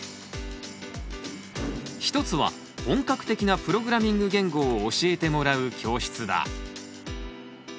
一つは本格的なプログラミング言語を教えてもらう教室だ。